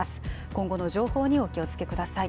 今後の情報にお気をつけください。